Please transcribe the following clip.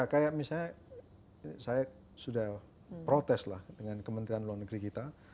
kayak misalnya saya sudah protes lah dengan kementerian luar negeri kita